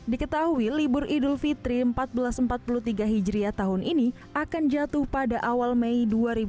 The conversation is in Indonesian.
diketahui libur idul fitri seribu empat ratus empat puluh tiga hijriah tahun ini akan jatuh pada awal mei dua ribu dua puluh